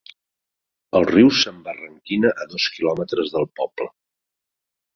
El riu s'embarranquina a dos quilòmetres del poble.